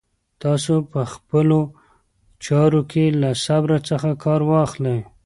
تاسو په خپلو چارو کې له صبر څخه کار واخلئ.